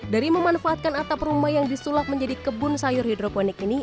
dari memanfaatkan atap rumah yang disulap menjadi kebun sayur hidroponik ini